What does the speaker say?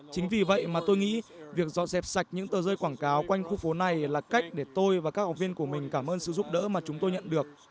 chính vì vậy mà tôi nghĩ việc dọn dẹp sạch những tờ rơi quảng cáo quanh khu phố này là cách để tôi và các học viên của mình cảm ơn sự giúp đỡ mà chúng tôi nhận được